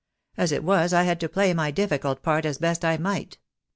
As it was I had to play my difficult part as best I might."